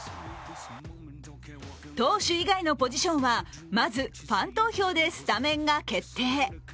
投手以外のポジションはまずファン投票でスタメンが決定。